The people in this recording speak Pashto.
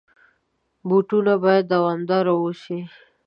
بوټونه باید دوامدار واوسي.